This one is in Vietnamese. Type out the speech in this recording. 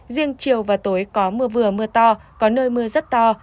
riêng chiều và tối có mưa vừa mưa to có nơi mưa rất to